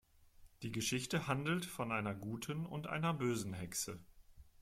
Die Geschichte handelt von einer guten und einer bösen Hexe.